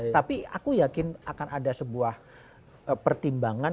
tapi aku yakin akan ada sebuah pertimbangan